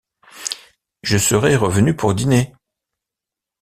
Je serai revenu pour dîner.